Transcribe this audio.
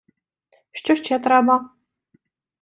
Що ще треба?